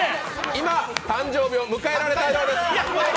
今、誕生日を迎えられたようです！